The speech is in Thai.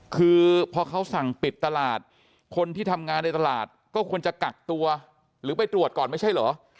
คือพอเขาสั่งปิดตลาดคนที่ทำงานในตลาดก็ควรจะกักตัวหรือไปตรวจก่อนไม่ใช่เหรอ